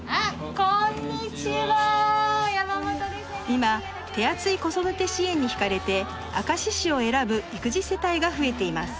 今手厚い子育て支援に引かれて明石市を選ぶ育児世帯が増えています。